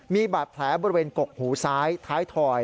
มีบาดแผลบริเวณกกหูซ้ายท้ายถอย